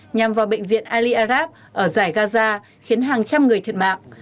nhằm vào bệnh viện ali arab ở giải gaza khiến hàng trăm người thiệt mạng